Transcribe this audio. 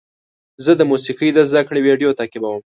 زه د موسیقۍ د زده کړې ویډیو تعقیبوم.